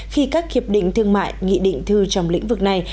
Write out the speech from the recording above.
khi các hiệp định thương mại nghị định thư trong lĩnh vực này